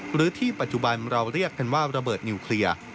หรือที่ปัจจุบันเราเรียกกันว่าระเบิดนิวเคลียร์